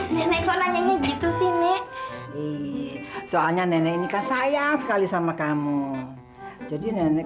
nenek kok nanya gitu sih nek soalnya nenek ini kasih sayang sekali sama kamu jadi nenek